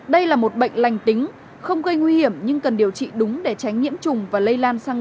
đây là một bệnh lành tính không gây nguy hiểm nhưng cần điều trị đúng để tránh nhiễm trùng và lây lan sang